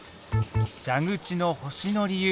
蛇口の星の理由